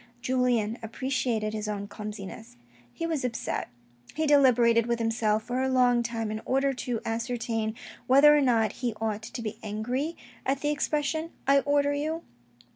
Julien appreciated his own clumsiness. He was upset. He deliberated with himself for a long time, in order to ascertain whether or not he ought to be angry at the expression " I order you."